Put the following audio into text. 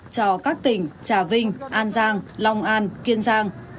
cho các tỉnh trà vinh an giang long an kiên giang